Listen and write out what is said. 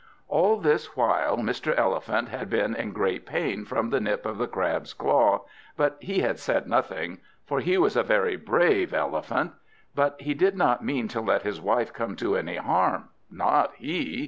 All this while Mr. Elephant had been in great pain from the nip of the Crab's claw, but he had said nothing, for he was a very brave Elephant. But he did not mean to let his wife come to any harm; not he!